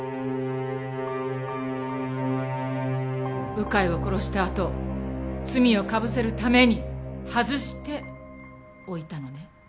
鵜飼を殺したあと罪をかぶせるために外して置いたのね。